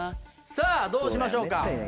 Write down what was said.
さぁどうしましょうか。